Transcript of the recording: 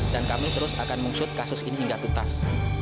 dan kami terus akan mengusut kasus ini hingga tutas